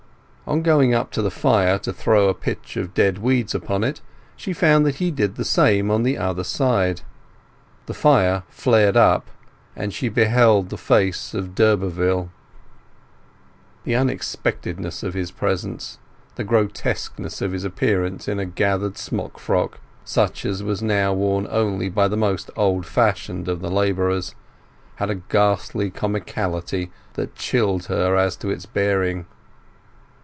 On going up to the fire to throw a pitch of dead weeds upon it, she found that he did the same on the other side. The fire flared up, and she beheld the face of d'Urberville. The unexpectedness of his presence, the grotesqueness of his appearance in a gathered smockfrock, such as was now worn only by the most old fashioned of the labourers, had a ghastly comicality that chilled her as to its bearing.